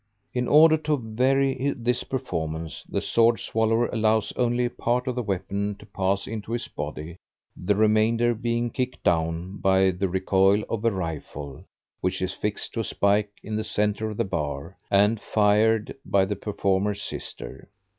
In order to vary this performance, the sword swallower allows only a part of the weapon to pass into his body, the remainder being "kicked" down by the recoil of a rifle, which is fixed to a spike in the centre of the bar, and fired by the performer's sister.